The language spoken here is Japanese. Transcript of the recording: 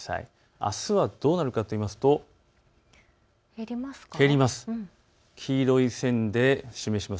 あすはどうなるかといいますと減ります。